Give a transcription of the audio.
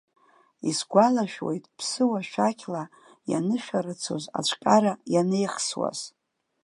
Исгәалашәоит, ԥсыуа шәақьла ианышәарыцоз, ацәҟьара ианеихсуаз.